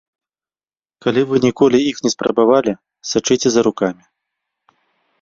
Калі вы ніколі іх не спрабавалі, сачыце за рукамі.